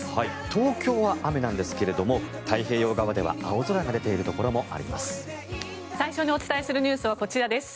東京は雨なんですが太平洋側では青空が出ているところもあります。